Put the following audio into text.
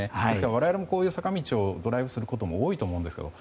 我々も、こういう坂道をドライブすることが多いと思うんですけど